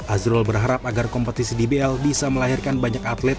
azrul berharap agar kompetisi dbl bisa melahirkan banyak atlet